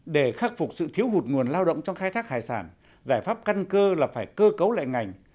để khắc phục sự thiếu hụt nguồn lao động trong khai thác hải sản giải pháp căn cơ là phải cơ cấu lại ngành